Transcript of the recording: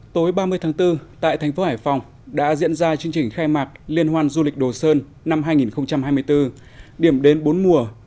tối ba mươi tháng bốn tại thành phố hải phòng đã diễn ra chương trình khai mạc liên hoan du lịch đồ sơn năm hai nghìn hai mươi bốn điểm đến bốn mùa